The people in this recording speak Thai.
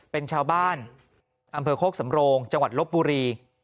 เป็นชาวบ้านอำเภอโคกสำโรงจังหวัดลบบุรี